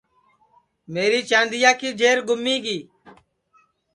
میری چاندیا کی جیر گُمی گی